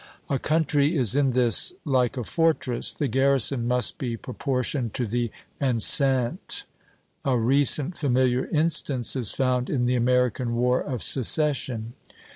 A country is in this like a fortress; the garrison must be proportioned to the enceinte. A recent familiar instance is found in the American War of Secession.